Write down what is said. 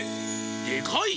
でかい！